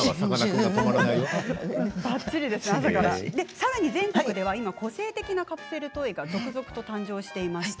さらに全国では個性的なカプセルトイが続々と誕生しています。